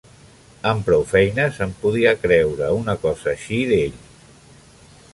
Amb prou feines em podia creure una cosa així d'ell.